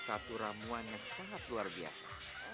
satu ramuan yang sangat luar biasa